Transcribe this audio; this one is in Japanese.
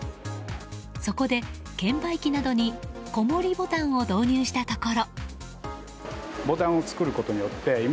そこで、券売機などに小盛ボタンを導入したところ。